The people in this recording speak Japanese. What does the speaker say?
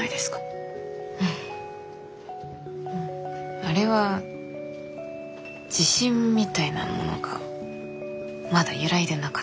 うんあれは自信みたいなものがまだ揺らいでなかったから。